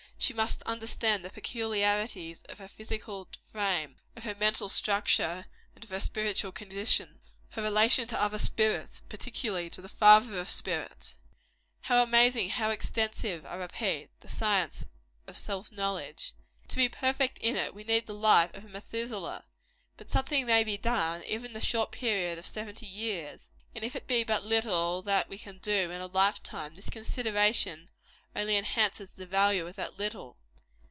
She must understand the peculiarities of her physical frame, of her mental structure, and of her spiritual condition her relation to other spirits, particularly to the Father of spirits. How amazing and how extensive I repeat it the science of self knowledge! To be perfect in it we need the life of a Methuselah! But something may be done, even in the short period of seventy years. And if it be but little that we can do in a life time, this consideration only enhances the value of that little.